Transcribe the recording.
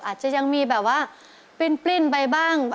อาจจะยังมีแบบว่าปริ้นไปบ้าง